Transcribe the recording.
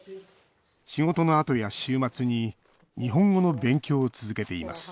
仕事のあとや週末に日本語の勉強を続けています